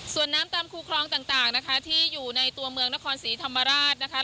ส่วนน้ำตามคูคลองต่างนะคะที่อยู่ในตัวเมืองนครศรีธรรมราชนะคะ